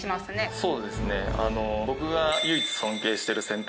そうです。